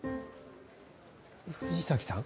藤崎さん？